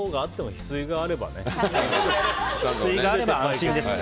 ヒスイがあれば安心です。